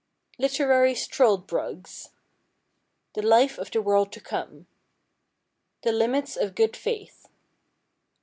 Literary Struldbrugs. The Life of the World to Come. The Limits of Good Faith.